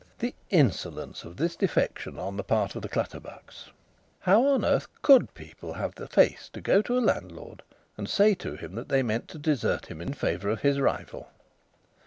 The insolence of this defection on the part of the Clutterbucks! How on earth could people have the face to go to a landlord and say to him that they meant to desert him in favour of his rival?